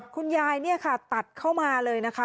คุณยายเนี่ยค่ะตัดเข้ามาเลยนะคะ